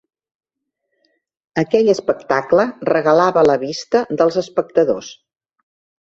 Aquell espectacle regalava la vista dels espectadors.